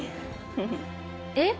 えっ？